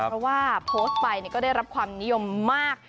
เพราะว่าโพสต์ไปก็ได้รับความนิยมมาก